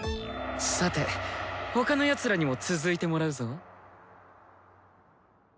さて他のやつらにも続いてもらうぞ。